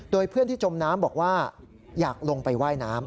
โดยเพื่อนที่จมน้ำบอกว่าอยากลงไปว่ายน้ำ